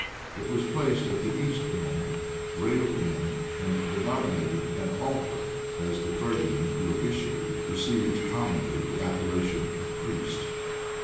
[] It was placed at the east end, railed in, and denominated an "altar;" as the clergyman who officiated received commonly the appellation of "priest."